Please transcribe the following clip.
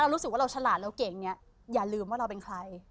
รู้สึกว่าเราฉลาดเราเก่งเนี่ยอย่าลืมว่าเราเป็นใคร